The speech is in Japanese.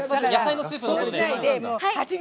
そうしないで８秒。